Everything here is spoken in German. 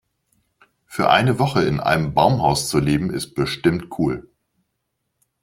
Für eine Woche in einem Baumhaus zu leben, ist bestimmt cool.